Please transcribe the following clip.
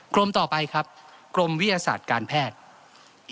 ต่อไปครับกรมวิทยาศาสตร์การแพทย์